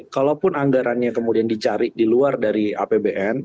kalaupun anggarannya kemudian dicari di luar dari apbn